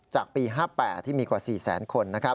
จากปี๕๘ที่มีกว่า๔แสนคน